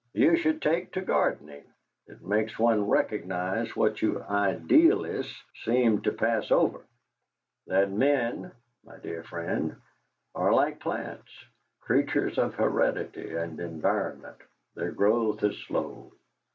"You should take to gardening; it makes one recognise what you idealists seem to pass over that men, my dear friend, are, like plants, creatures of heredity and environment; their growth is slow.